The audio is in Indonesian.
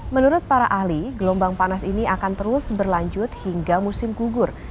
menurut para ahli gelombang panas ini akan terus berlanjut hingga musim gugur